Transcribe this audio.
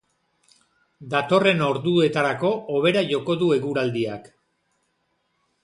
Datorren orduetarako hobera joko du eguraldiak.